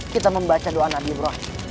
kita membaca doa nabi ibrahim